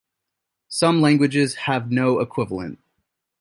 Some languages have no equivalent.